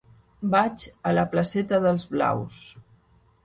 Vaig a la placeta d'Els Blaus.